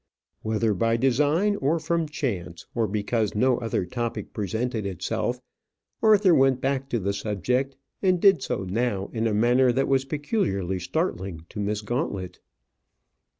Whether by design, or from chance, or because no other topic presented itself, Arthur went back to the subject, and did so now in a manner that was peculiarly startling to Miss Gauntlet.